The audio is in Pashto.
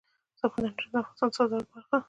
سمندر نه شتون د افغانستان د صادراتو برخه ده.